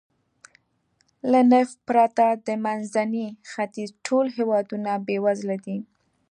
له نفت پرته د منځني ختیځ ټول هېوادونه بېوزله دي.